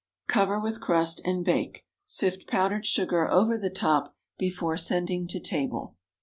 Cover with crust and bake. Sift powdered sugar over the top before sending to table.